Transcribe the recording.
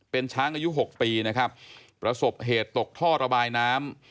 เป็นช้างอายุหกปีนะครับประสบเหตุตกท่อระบายน้ำ